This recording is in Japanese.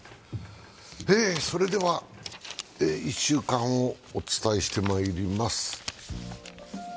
それでは、１週間をお伝えしてまいります。